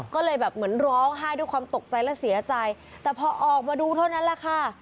ก็เลยแบบเหมือนร้องไห้ด้วยความตกใจและเสียใจแต่พอออกมาดูเท่านั้นแหละค่ะ